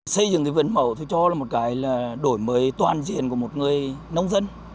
xây dựng cái vườn mẫu tôi cho là một cái là đổi mới toàn diện của một người nông dân